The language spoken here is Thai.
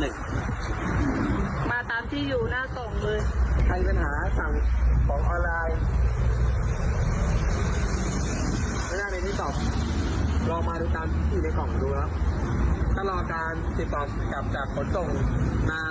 แล้วก็รอการกลับจากผ่นทรงนั้น